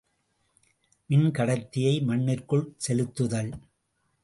மின்கடத்தியை மண்ணிற்குள் செலுத்துதல்.